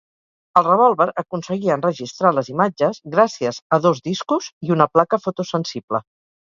El revòlver aconseguia enregistrar les imatges gràcies a dos discos i una placa fotosensible.